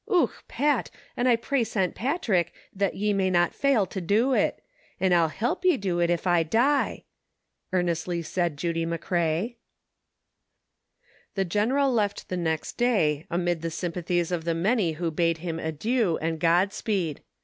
" Och, Pat, an' I pray Sant Patrick that ye may not fale tow do it, an" I'll hilp ye do it, ef I die," earnestly said Judy McCrea. The general left the next day amid the sympathies of the many who bade him adieu and God speed.